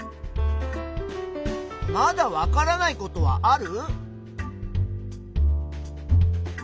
まだわからないことはある？